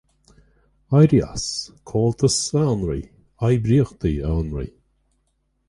Éirí as; Comhaltas a Fhionraí; Oibríochtaí a Fhionraí.